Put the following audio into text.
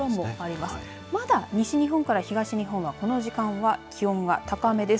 まだ西日本から東日本はこの時間は気温は高めです。